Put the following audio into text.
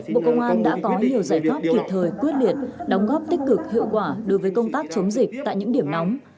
bộ công an đã có nhiều giải pháp kịp thời quyết liệt đóng góp tích cực hiệu quả đối với công tác chống dịch tại những điểm nóng